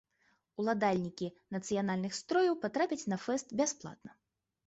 Уладальнікі нацыянальных строяў патрапяць на фэст бясплатна.